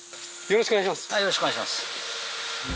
よろしくお願いします。